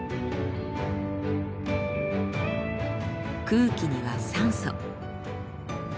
空気には酸素。